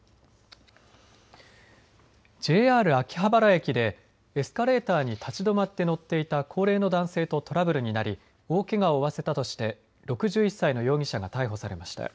ＪＲ秋葉原駅でエスカレーターに立ち止まって乗っていた高齢の男性とトラブルになり大けがを負わせたとして６１歳の容疑者が逮捕されました。